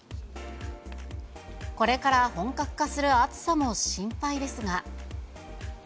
これから本格化する暑さも心配ですが。